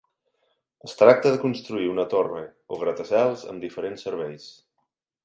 Es tracta de construir una torre o gratacels amb diferents serveis.